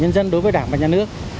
nhân dân đối với đảng và nhà nước